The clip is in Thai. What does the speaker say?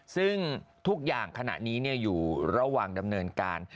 ซึ่งทุกอย่างขณะนี้อยู่ระหว่างดำเนินการ